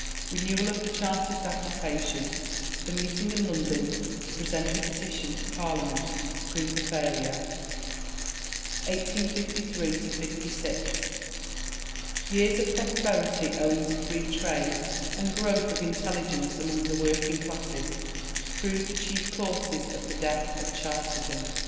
Renewal of the Chartist agitation. The meeting in London to present a Petition to Parliament proves a failure. 1853 56. Years of prosperity owing to Free Trade and growth of intelligence among the working classes prove the chief causes of the death of Chartism.